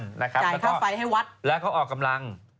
จ่ายค่าไฟให้วัดแล้วเขาออกกำลัง